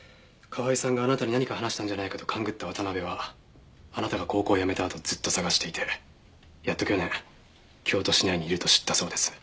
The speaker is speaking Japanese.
河合さんがあなたに何か話したんじゃないかと勘ぐった渡辺はあなたが高校を辞めたあとずっと捜していてやっと去年京都市内にいると知ったそうです。